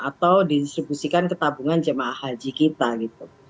atau didistribusikan ketabungan jemaah haji kita gitu